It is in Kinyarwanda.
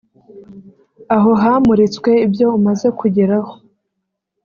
aho hamuritswe ibyo umaze kugeraho